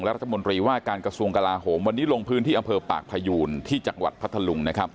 รัฐมนตรีว่าการกระทรวงกลาโหมวันนี้ลงพื้นที่อำเภอปากพยูนที่จังหวัดพัทธลุงนะครับ